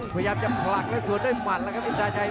พยายามจะผลักและสวนด้วยหมัดแล้วครับอินทราชัย